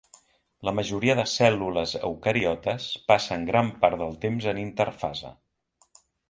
La majoria de cèl·lules eucariotes passen gran part del temps en interfase.